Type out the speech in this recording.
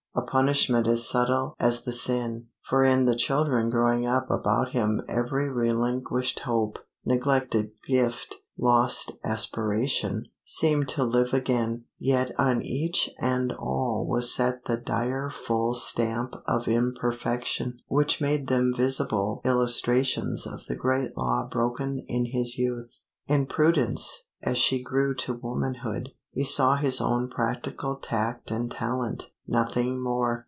A punishment as subtle as the sin; for in the children growing up about him every relinquished hope, neglected gift, lost aspiration, seemed to live again; yet on each and all was set the direful stamp of imperfection, which made them visible illustrations of the great law broken in his youth. In Prudence, as she grew to womanhood, he saw his own practical tact and talent, nothing more.